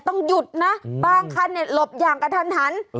ต้องหยุดนะบ้างค่ะหลบอย่างกระทัน